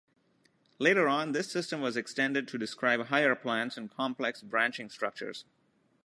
Later on, this system was extended to describe higher plants and complex branching structures.